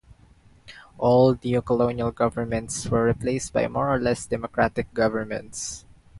Old neocolonial governments were replaced by more-or-less democratic governments.